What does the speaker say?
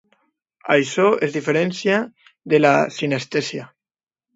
Això es diferencia de la sinestèsia.